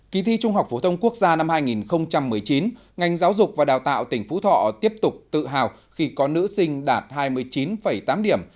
kỳ thi trung học phổ thông quốc gia năm hai nghìn một mươi chín ngành giáo dục và đào tạo tỉnh phú thọ tiếp tục tự hào khi có nữ sinh đạt hai mươi chín tám điểm